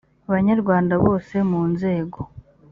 banyarwanda bose mu nzego